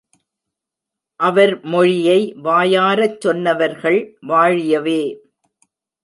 அவர்மொழியை வாயாரச் சொன்னவர்கள் வாழியவே!